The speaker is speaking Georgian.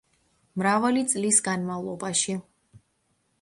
მრავალი წლის განმავლობაში.